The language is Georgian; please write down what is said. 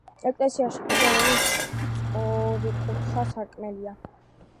ეკლესიაში კიდევ ორი სწორკუთხა სარკმელია.